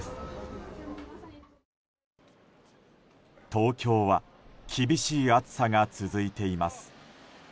東京は厳しい暑さが続いています。